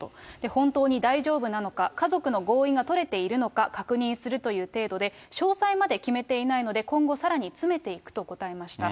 本当に大丈夫なのか、家族の合意が取れているのか、確認するという程度で、詳細まで決めていないので今後さらに詰めていくと答えました。